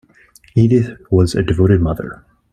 Edith was a devoted mother.